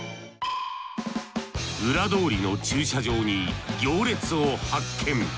裏通りの駐車場に行列を発見。